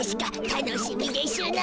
楽しみでしゅな。